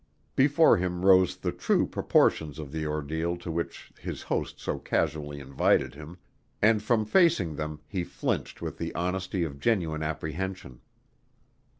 Before him rose the true proportions of the ordeal to which his host so casually invited him, and from facing them he flinched with the honesty of genuine apprehension.